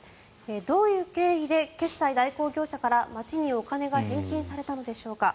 どういう経緯で決済代行業者から町にお金が返金されたのでしょうか。